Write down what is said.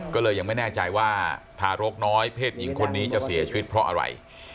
ก็เลยยังไม่แน่ใจว่าทารกน้อยเพศหญิงคนนี้จะเสียชีวิตเพราะอะไร